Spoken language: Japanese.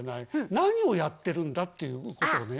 「何をやってるんだ？」っていうことをね。